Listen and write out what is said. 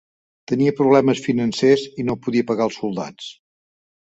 Tenia problemes financers i no podia pagar als soldats.